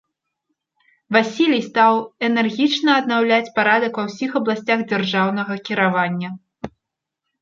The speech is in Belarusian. Васілій стаў энергічна аднаўляць парадак ва ўсіх абласцях дзяржаўнага кіравання.